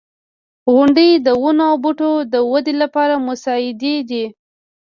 • غونډۍ د ونو او بوټو د ودې لپاره مساعدې دي.